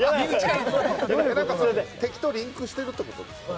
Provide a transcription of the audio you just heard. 敵とリンクしてるってことですか？